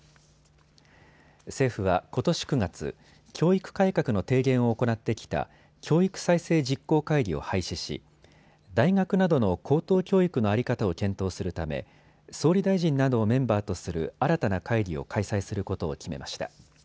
政府はことし９月、教育改革の提言を行ってきた教育再生実行会議を廃止し大学などの高等教育の在り方を検討するため総理大臣などをメンバーとする新たな会議を開催することを決めました。